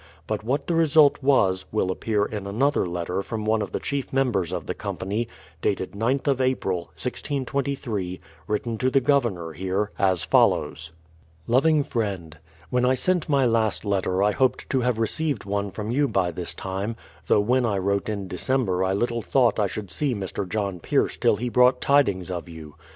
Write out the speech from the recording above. But what the result was, will appear in another letter from one of the chief members of the company, dated 9th of April, 1623, v/ritten to the Governor here, as follows: Loving Friend, When I sent my last letter, I hoped to have received one from you by this time ; though when I wrote in December I little thought I should see Mr. John Fierce till he brought tidings of you.